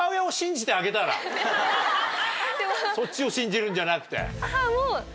そっちを信じるんじゃなくて。